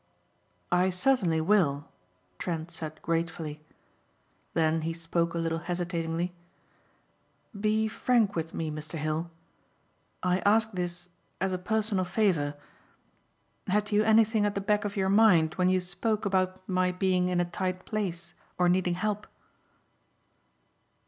"I certainly will," Trent said gratefully. Then he spoke a little hesitatingly. "Be frank with me, Mr. Hill. I ask this as a personal favor. Had you anything at the back of your mind when you spoke about my being in a tight place or needing help?"